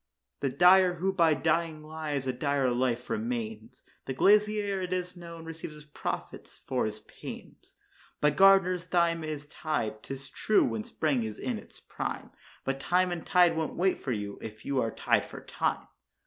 The dyer, who by dying lives, a dire life maintains; The glazier, it is known, receives his profits for his panes. By gardeners thyme is tied, 'tis true, when spring is in its prime; But time and tide won't wait for you if you are tied for time.